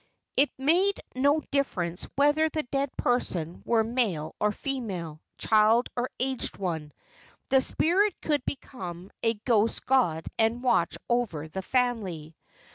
It made no difference whether the dead person were male or female, child or aged one, the spirit could become a ghost god and watch over the family.